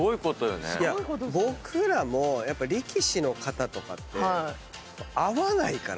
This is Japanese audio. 僕らもやっぱ力士の方とかって会わないから。